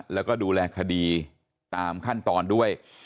แล้วก็ดูแลคดีตามขั้นตอนด้วย